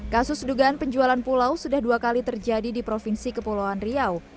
kasus dugaan penjualan pulau sudah dua kali terjadi di provinsi kepulauan riau